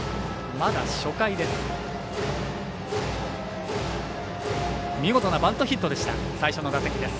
まだ初回です。